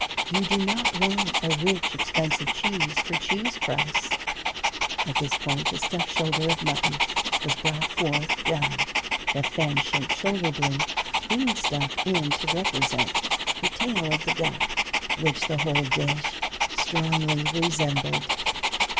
You do not want a rich expensive cheese for cheese crusts. (At this point the stuffed shoulder of mutton was brought forth, done, the fan shaped shoulder blade being stuck in to represent the tail of the duck, which the whole dish strongly resembled.)